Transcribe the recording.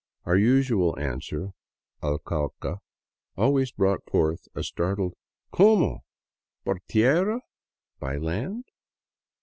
Our usual answer, —" Al Cauca," always brought forth a startled, " Como ! For tierra?" (By land?).